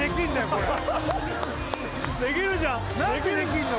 これできるじゃん何でできんの？